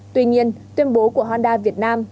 tuy nhiên tuyên bố của honda việt nam